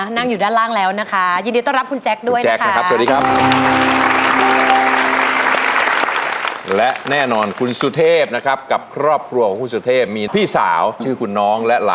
นั่งอยู่ด้านล่างแล้ว